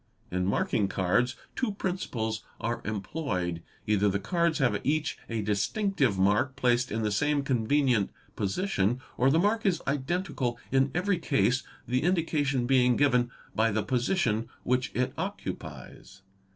In marking cards two principles are employed. Hither the cards have each a distinctive mark placed in the same convenient position, or the mark is identical in every case, the indication being given by the position which it occupies.